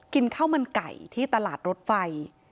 กินข้าวมันไก่ที่ตลาดรถไฟ